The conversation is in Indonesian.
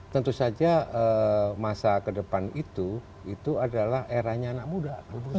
tentu saja masa kedepan itu adalah eranya anak muda